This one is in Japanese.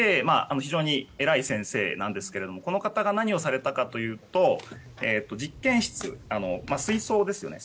非常に偉い先生なんですがこの方が何をされたかというと実験室、水槽ですよね。